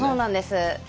そうなんです。